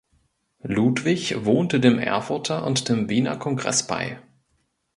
Ludwig wohnte dem Erfurter und dem Wiener Kongress bei.